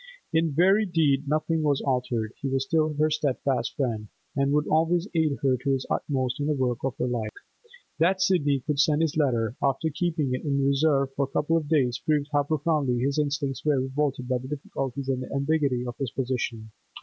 In very deed nothing was altered; he was still her steadfast friend, and would always aid her to his utmost in the work of her life. That Sidney could send this letter, after keeping it in reserve for a couple of days, proved how profoundly his instincts were revolted by the difficulties and the ambiguity of his position.